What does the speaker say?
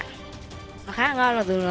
nó khá là ngon